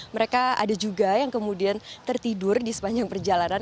mereka ada juga yang kemudian tertidur di sepanjang perjalanan